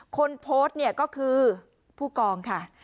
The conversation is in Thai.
คนโพสต์เนี่ยก็คือผู้กองค่ะ